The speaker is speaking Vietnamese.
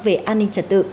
về an ninh trật tự